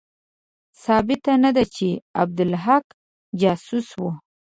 ثابته نه ده چې عبدالحق جاسوس وو.